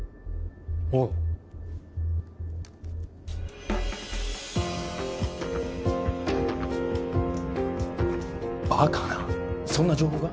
ああバカなそんな情報が？